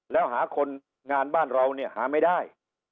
แล้วหาคนงานบ้านเราเนี่ยหาไม่ได้